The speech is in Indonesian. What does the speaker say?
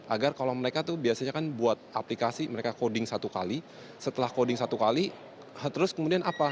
agar kalau mereka tuh biasanya kan buat aplikasi mereka coding satu kali setelah coding satu kali terus kemudian apa